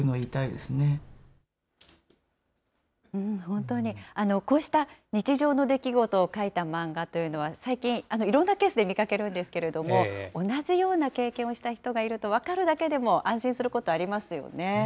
本当に、こうした日常の出来事を描いた漫画というのは、最近、いろんなケースで見かけるんですけれども、同じような経験をした人がいると分かるだけでも安心することありますよね。